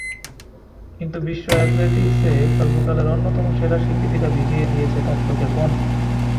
কিন্তু বিশ্ব অ্যাথলেটিকসে সর্বকালের অন্যতম সেরার স্বীকৃতিটা ভিজিয়ে দিয়েছে তাঁর চোখের কোণ।